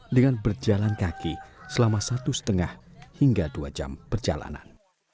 dengan berjalan kaki selama satu lima hingga dua jam perjalanan